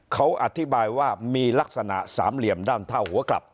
เขาอธิบายว่ามีลักษณะสามเหลี่ยมด้านเท่าหัวกลับ